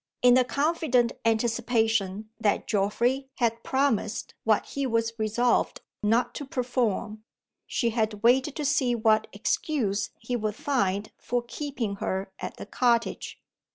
In the confident anticipation that Geoffrey had promised what he was resolved not to perform, she had waited to see what excuse he would find for keeping her at the cottage.